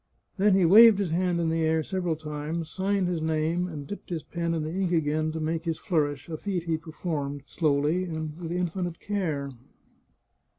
Then he waved his hand in the air several times, signed his name, and dipped his pen in the ink again to make his flourish, a feat he performed slowly and with infinite care.